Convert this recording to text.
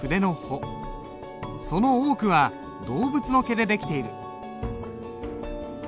その多くは動物の毛で出来ている。